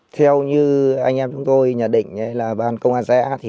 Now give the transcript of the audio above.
theo như anh em chúng tôi nhận định là ban công an giã thì như thế là